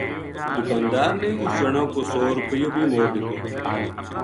دکاندار نے اُس جنا کو سو رُپیو بھی موڑ دِیتو